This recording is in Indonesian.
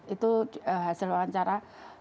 itu hasil wawancara